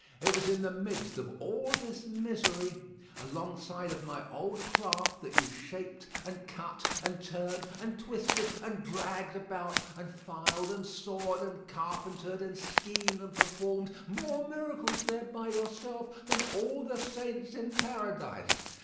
It was in the midst of all this misery, alongside of my old craft, that you shaped, and cut, and turned, and twisted, and dragged about, and filed, and sawed, and carpentered, and schemed, and performed more miracles there by yourself than all the saints in paradise.